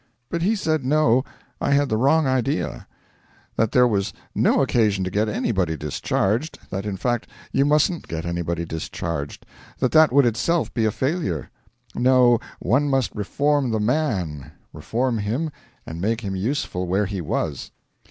But he said no, I had the wrong idea: that there was no occasion to get anybody discharged; that in fact you mustn't get anybody discharged; that that would itself be a failure; no, one must reform the man reform him and make him useful where he was.